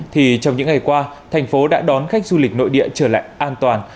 thì trong những ngày qua thành phố đã đón khách du lịch nội địa trở lại an toàn